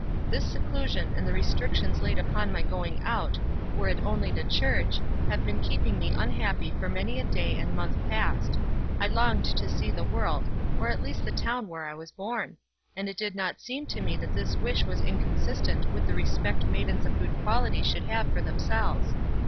This seclusion and the restrictions laid upon my going out, were it only to church, have been keeping me unhappy for many a day and month past; I longed to see the world, or at least the town where I was born, and it did not seem to me that this wish was inconsistent with the respect maidens of good quality should have for themselves.